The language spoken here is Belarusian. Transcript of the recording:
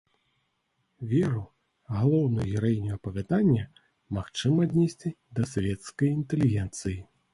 Веру, галоўную гераіню апавядання, магчыма аднесці да савецкай інтэлігенцыі.